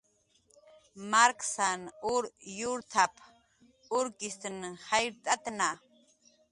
"Marksan ur yurtap"" urkistn jayrt'atna "